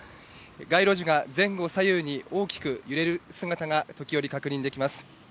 街路樹が前後左右に大きく揺れる姿が時折確認されます。